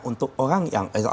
untuk orang yang